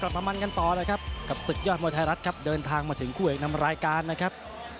มามันกันต่อเลยครับกับศึกยอดมวยไทยรัฐครับเดินทางมาถึงคู่เอกนำรายการนะครับ